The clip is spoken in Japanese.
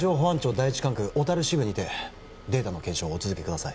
第一管区小樽支部にてデータの検証をお続けください